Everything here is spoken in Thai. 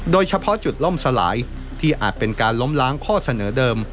โดยเฉพาะจุดล่มสลายที่อาจเป็นการล้มล้างข้อเสนอเดิม